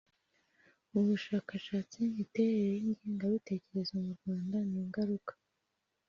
w ubushakashatsi Imiterere y ingengabitekerezo mu Rwanda n ingaruka